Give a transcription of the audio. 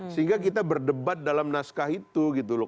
sehingga kita berdebat dalam naskah itu gitu loh